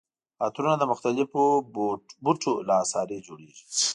عطرونه د مختلفو بوټو له عصارې جوړیږي.